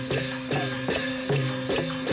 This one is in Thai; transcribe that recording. ซัอยดีครับ